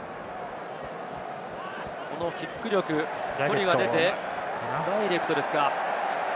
このキック力、距離が出てダイレクトですか？